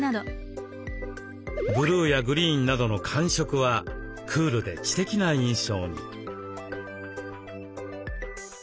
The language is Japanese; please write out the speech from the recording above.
ブルーやグリーンなどの寒色はクールで知的な印象に。